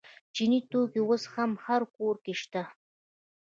چیني توکي اوس هر کور کې شته.